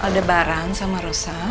aldebaran sama rosa